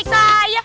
gak usah ya